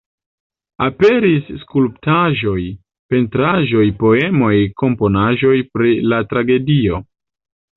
Aperis skulptaĵoj, pentraĵoj, poemoj, komponaĵoj pri la tragedio.